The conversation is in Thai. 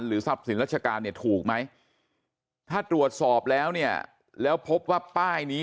ทรัพย์สินราชการเนี่ยถูกไหมถ้าตรวจสอบแล้วเนี่ยแล้วพบว่าป้ายนี้